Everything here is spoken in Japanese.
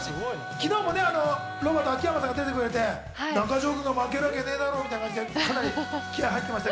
昨日もロバート・秋山さんが出てくれて中条軍が負けるわけねえだろみたいに気合い入ってました。